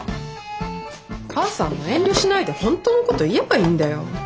母さんも遠慮しないで本当のこと言えばいいんだよ。